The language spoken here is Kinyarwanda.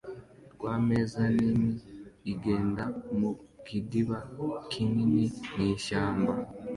RWAMEZA nini igenda mu kidiba kinini mwishyamba